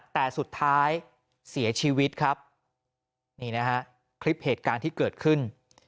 แต่สุดท้ายเสียชีวิตครับนี่นะฮะคลิปเหตุการณ์ที่เกิดขึ้น